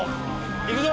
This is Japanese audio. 行くぞ！